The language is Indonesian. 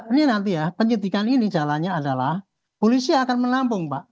ini nanti ya penyidikan ini jalannya adalah polisi akan menampung pak